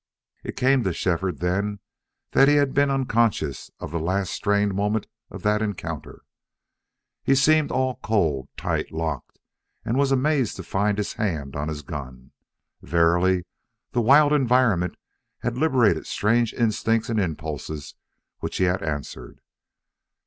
It came to Shefford then that he had been unconscious of the last strained moment of that encounter. He seemed all cold, tight, locked, and was amazed to find his hand on his gun. Verily the wild environment had liberated strange instincts and impulses, which he had answered.